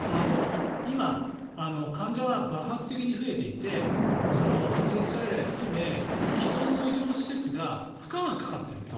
今、患者が爆発的に増えていて発熱外来含め既存の医療施設が負荷がかかっていると。